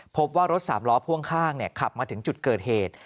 พบว่ารถสามล้อพ่วงข้างขับมาถึงจุดเกิดเหตุ